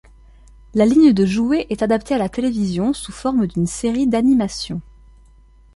La ligne de jouets est adaptée à la télévision sous forme d'une série d'animation.